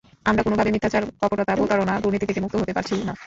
আমরা কোনোভাবে মিথ্যাচার, কপটতা, প্রতারণা, দুর্নীতি থেকে মুক্ত হতে পারছি না।